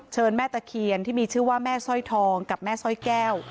แม่ตะเคียนที่มีชื่อว่าแม่สร้อยทองกับแม่สร้อยแก้ว